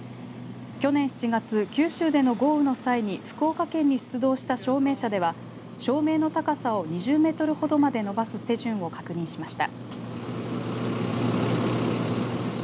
去年７月、九州での豪雨の際に福岡県に出動した照明車では照明の高さを２０メートルほどまで伸ばす手順を確認しました。